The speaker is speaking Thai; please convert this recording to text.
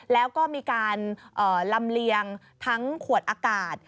แล้วก็มีการลำเลียงทั้งขวดอากาศ